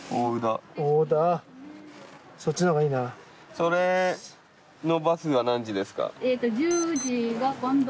それのバスが何時ですか？